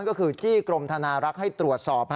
ก็คือจี้กรมธนารักษ์ให้ตรวจสอบ